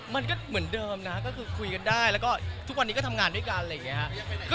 มันก็เหมือนเดิมนะก็คือคุยกันได้แล้วก็ทุกวันนี้ก็ทำงานด้วยกันอะไรอย่างนี้ครับ